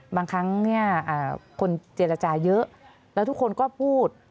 บางครั้งเนี่ยคนเจรจาเยอะแล้วทุกคนก็พูด